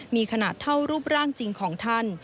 มีขนาดเท่ารูปร่างจริงของท่าน